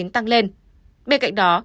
tăng lên bên cạnh đó